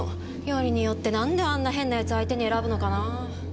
よりによって何であんな変な奴相手に選ぶのかなぁ。